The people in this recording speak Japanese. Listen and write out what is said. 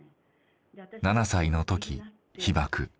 ７歳の時被爆。